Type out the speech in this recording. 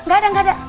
gak ada gak ada